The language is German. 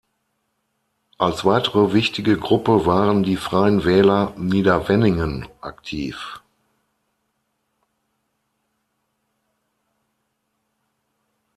Als weitere wichtige Gruppe waren die Freien Wähler Niederweningen aktiv.